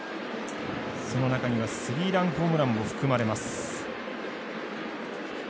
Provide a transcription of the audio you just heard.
その中にはスリーランホームランも含まれます。